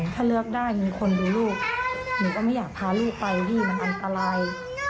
ถ้าเลือกได้มีคนดูลูกหนูก็ไม่อยากพาลูกไปพี่มันอันตราย